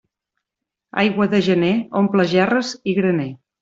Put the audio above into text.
Aigua de gener omple gerres i graner.